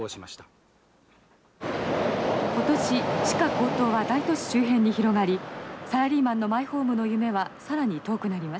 「今年地価高騰は大都市周辺に広がりサラリーマンのマイホームの夢は更に遠くなりました。